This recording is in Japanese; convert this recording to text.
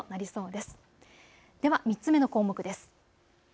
では３つ目の項目です。